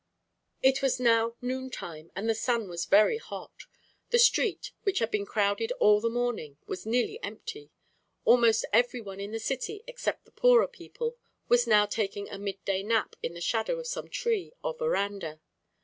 It was now noon time, and the sun was very hot. The street, which had been crowded all the morning, was nearly empty. Almost every one in the city, except the poorer people, was now taking a midday nap in the shadow of some tree or veranda.